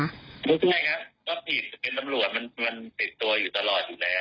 พูดง่ายครับก็ผิดเป็นตำรวจมันติดตัวอยู่ตลอดอยู่แล้ว